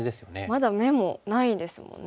まだ眼もないですもんね。